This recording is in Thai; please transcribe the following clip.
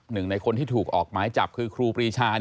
หนึ่งในคนที่ถูกออกหมายจับคือครูปรีชา